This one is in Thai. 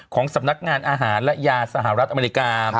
ของสำนักงานอาหารและยาสหรัฐอเมริกา